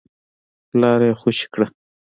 لاره يې خوشې کړه.